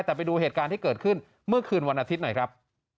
แต่ไปดูเหตุการณ์ที่เกิดขึ้นเมื่อคืนวันอาทิตย์หน่อยครับ